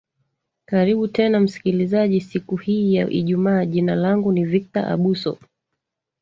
karibu tena msikilijazi siku hii ya ijumaa jina langu ni victor abuso